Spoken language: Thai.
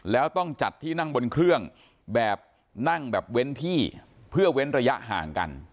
แล้วต้องจัดที่นั่งบนเครื่องแบบนั่งแบบเว้นที่เพื่อเว้นระยะห่างกัน